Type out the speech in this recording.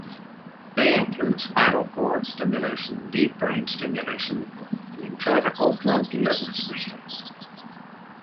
They include spinal cord stimulation, deep brain stimulation and intrathecal drug delivery systems.